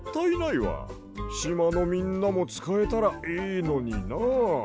しまのみんなもつかえたらいいのにな。